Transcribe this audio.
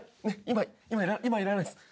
今いらないです。